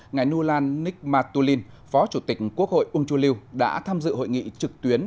ngài nulan nikmatulin phó chủ tịch quốc hội ung chuliu đã tham dự hội nghị trực tuyến